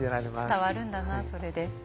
伝わるんだなそれで。